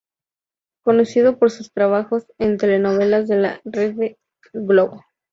Conocido por sus trabajos en telenovelas de la Rede Globo.